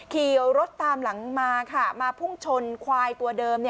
ขี่รถตามหลังมาค่ะมาพุ่งชนควายตัวเดิม